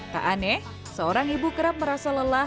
tak aneh seorang ibu kerap merasa lelah